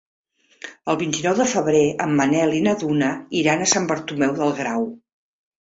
El vint-i-nou de febrer en Manel i na Duna iran a Sant Bartomeu del Grau.